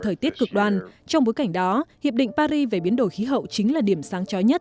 thời tiết cực đoan trong bối cảnh đó hiệp định paris về biến đổi khí hậu chính là điểm sáng trói nhất